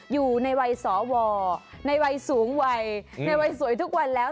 อยู่ในวัยสวในวัยสูงวัยในวัยสวยทุกวันแล้ว